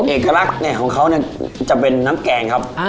เอกลักษณ์เนี่ยของเขาจะน้ำแก่นครับ